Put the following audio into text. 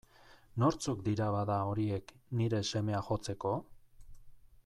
Nortzuk dira, bada, horiek, nire semea jotzeko?